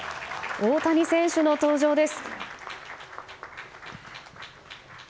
大谷選手の登場です。